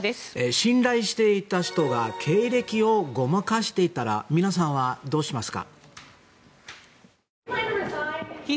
信頼していた人が経歴をごまかしていたら皆さんは、どうしますか？